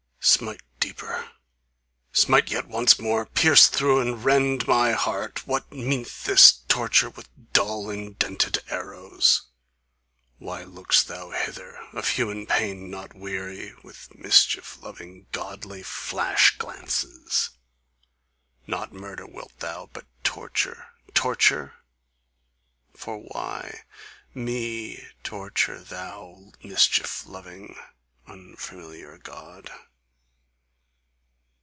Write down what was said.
Smite deeper! Smite yet once more! Pierce through and rend my heart! What mean'th this torture With dull, indented arrows? Why look'st thou hither, Of human pain not weary, With mischief loving, godly flash glances? Not murder wilt thou, But torture, torture? For why ME torture, Thou mischief loving, unfamiliar God?